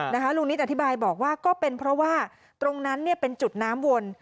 ลุงนิดอธิบายบอกว่าก็เป็นเพราะว่าตรงนั้นเป็นจุดน้ำวน